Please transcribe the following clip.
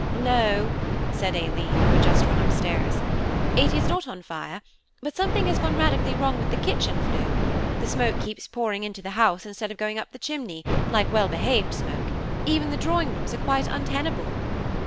"No," said Aileen, who had just run up stairs, "it is not on fire, but something has gone radically wrong with the kitchen flue; the smoke keeps pouring into the house, instead of going up the chimney, like well behaved smoke; even the drawing rooms are quite untenable."